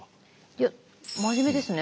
いや真面目ですね。